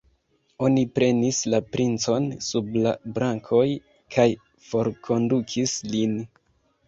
Oni prenis la princon sub la brakoj kaj forkondukis lin.